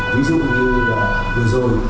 ví dụ như là vừa rồi